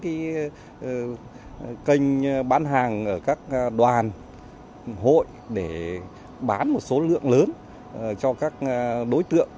cái kênh bán hàng ở các đoàn hội để bán một số lượng lớn cho các đối tượng